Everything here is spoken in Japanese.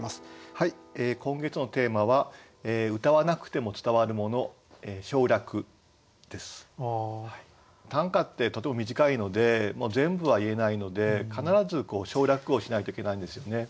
はい今月のテーマは短歌ってとても短いので全部は言えないので必ず省略をしないといけないんですよね。